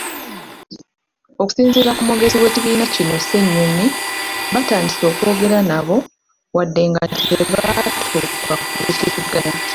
Okusinziira ku mwogezi w'ekibiina kino Ssenyonyi batandise okwogera nabo wadde nga tebaatuuka ku nzikiriziganya.